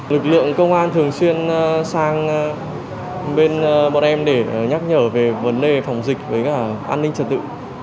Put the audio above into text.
lực lượng công an thường xuyên sang bên bọn em để nhắc nhở về vấn đề phòng dịch với an ninh trật tự